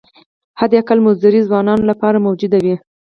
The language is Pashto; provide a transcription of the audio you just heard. حداقل مزدوري ځوانانو لپاره موجوده وي.